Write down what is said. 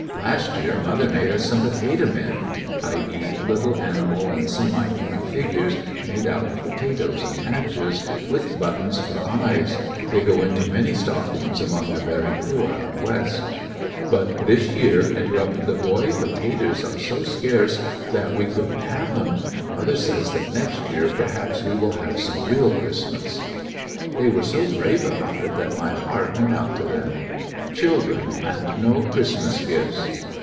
"Last year mother made us some potato men^^ (Le,j little animal and semi human figures made out of potatoes and matches, with buttons for eyes ; they go into many stockings among the very poor out West). "But this year/' interrupted the boy^ "po tatoes are so scarce that we could n't have 169 Pataio men ^ecottections of a *em. Mother says that next year x>erhaps we will have some real Christinas." Robbini^ the They were so brave abont it that my heart went out to them. Children and no Christ mas gifts!